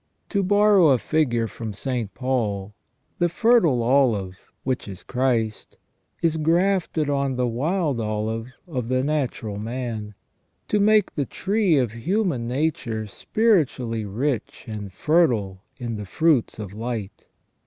To borrow a figure from St. Paul, the fertile olive, which is Christ, is grafted on the wild olive of the natural man, to make the tree of human nature spiritually rich and fertile in the fruits of light.